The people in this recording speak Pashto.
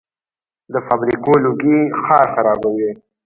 د فابریکو لوګي ښار خرابوي.